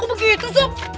kok begitu sob